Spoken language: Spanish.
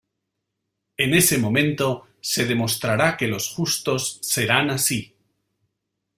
En ese momento, se demostrará que los justos serán así.